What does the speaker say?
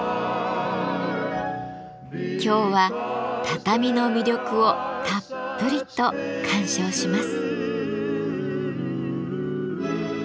今日は畳の魅力をたっぷりと鑑賞します。